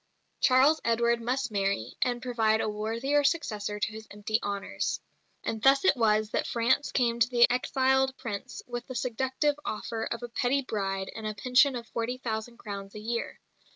Charles Edward must marry, and provide a worthier successor to his empty honours. And thus it was that France came to the exiled Prince with the seductive offer of a pretty bride and a pension of forty thousand crowns a year.